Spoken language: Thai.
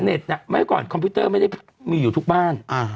เมื่อก่อนคอมพิวเตอร์ไม่ได้มีอยู่ทุกบ้าน